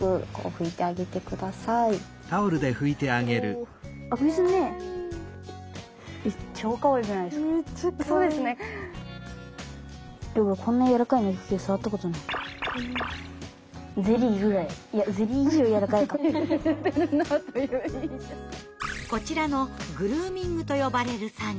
大事だねこれは。こちらのグルーミングと呼ばれる作業。